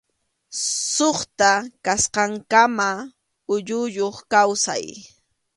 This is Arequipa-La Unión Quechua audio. Suqta kasqankama uyayuq kawsay.